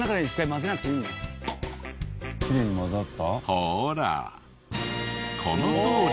ほらこのとおり！